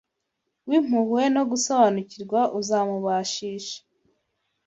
w’impuhwe no gusobanukirwa uzamubashisha